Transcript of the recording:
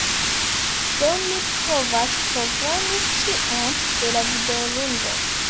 Do mi povas programi ĉion de la videoludo.